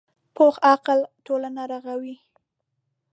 پوخ عقل ټولنه رغوي